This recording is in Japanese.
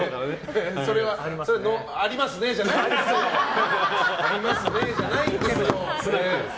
ありますねじゃないんですよ！